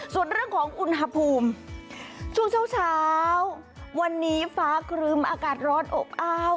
ส่วนเรื่องของอุณหภูมิช่วงเช้าวันนี้ฟ้าครึมอากาศร้อนอบอ้าว